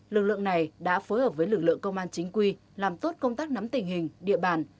lực lượng này đã phối hợp với lực lượng công an chính quy làm tốt công tác nắm tình hình địa bàn